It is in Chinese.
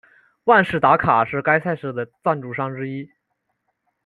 万事达卡是该赛事的赞助商之一。